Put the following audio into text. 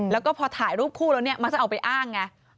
แล้วก็พอถ่ายรูปคู่แล้วเนี่ยมักจะเอาไปอ้างไง